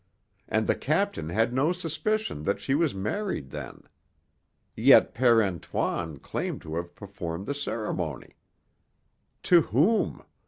And the captain had no suspicion that she was married then! Yet Père Antoine claimed to have performed the ceremony. To whom?